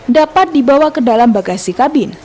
dapat dibawa ke dalam bagasi kabin